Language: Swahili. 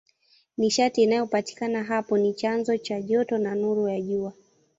Nishati inayopatikana hapo ni chanzo cha joto na nuru ya Jua.